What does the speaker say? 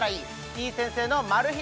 てぃ先生のマル秘